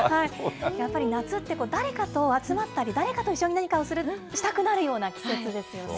やっぱり夏って誰かと集まったり、誰かと一緒に何かをしたくなるような季節ですよね。